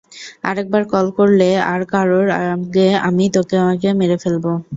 আরেকবার কল করলে আর কারোর আগে আমিই তোমাকে মেরে ফেলব।